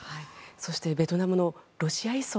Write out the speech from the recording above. そしてベトナムのロシア依存